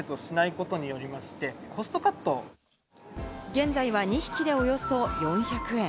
現在は２匹でおよそ４００円。